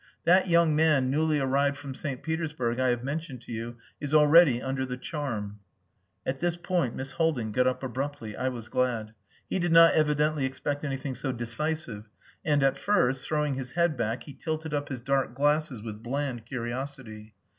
That young man newly arrived from St. Petersburg, I have mentioned to you, is already under the charm." At this point Miss Haldin got up abruptly. I was glad. He did not evidently expect anything so decisive and, at first, throwing his head back, he tilted up his dark glasses with bland curiosity.